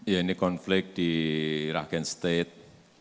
ya ini konflik di ragen state